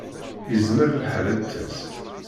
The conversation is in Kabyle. Izmer lḥal ad d-tas.